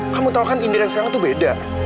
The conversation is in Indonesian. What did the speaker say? kamu tau kan indera yang sekarang tuh beda